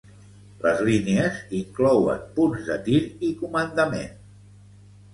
Les línies inclouen punts de tir i comandament.